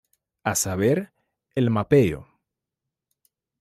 A saber, el mapeo.